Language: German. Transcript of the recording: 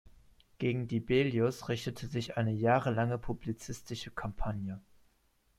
Gegen Dibelius richtete sich eine jahrelange publizistische Kampagne.